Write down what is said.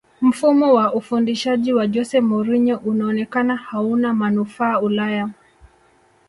mfumo wa ufundishaji wa jose mourinho unaonekana hauna manufaa ulaya